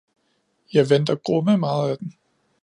Jeg venter grumme meget af den!